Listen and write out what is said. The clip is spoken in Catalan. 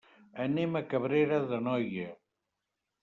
Anem a Cabrera d'Anoia.